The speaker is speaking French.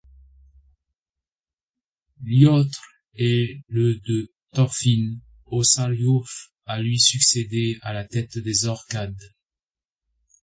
Ljótr est le de Thorfinn Hausakljufr à lui succéder à la tête des Orcades.